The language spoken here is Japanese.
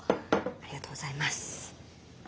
ありがとうございます。